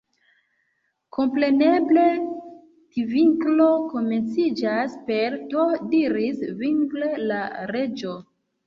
"Kompreneble 'tvinklo' komenciĝas per T" diris vigle la Reĝo.